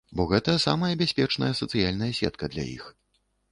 Бо гэта самая бяспечная сацыяльная сетка для іх.